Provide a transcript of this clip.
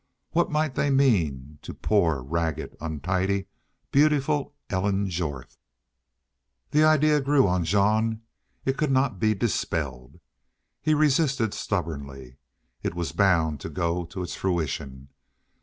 What might they mean to poor, ragged, untidy, beautiful Ellen Jorth? The idea grew on Jean. It could not be dispelled. He resisted stubbornly. It was bound to go to its fruition.